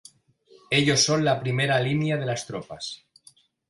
Ellos son la primera línea de las tropas.